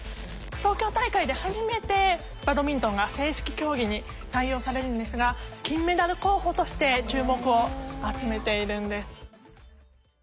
東京大会で初めてバドミントンが正式競技に採用されるんですが金メダル候補として注目を集めているんです。